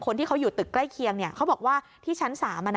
คนที่เขาอยู่ตึกใกล้เคียงเขาบอกว่าที่ชั้น๓